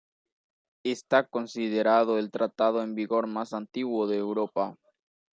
Está considerado el tratado en vigor más antiguo de Europa.